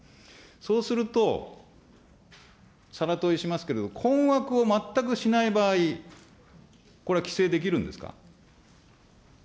そうすると、さら問いしますけれども、困惑を全くしない場合、これは規制できるんですか。